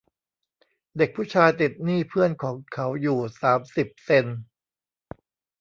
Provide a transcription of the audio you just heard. เด็กผู้ชายติดหนี้เพื่อนของเขาอยู่สามสิบเซ็นต์